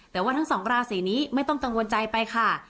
แต่ว่าทั้งสองราศีนี้ไม่ต้องกังวลใจไปค่ะ